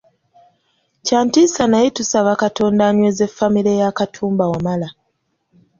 Kya ntiisa naye tusaba Katonda anyweze famire ya Katumba Wamala.